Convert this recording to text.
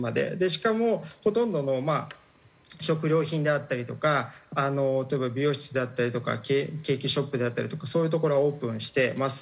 しかもほとんどのまあ食料品であったりとか例えば美容室であったりとかケーキショップであったりとかそういう所はオープンしてます。